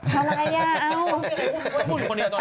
อะไรอ่ะเอ้า